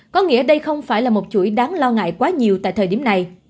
có nghĩa đây không phải là một chuỗi đáng lo ngại quá nhiều tại thời điểm này